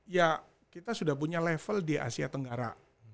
ya kita sudah punya level di asia tenggara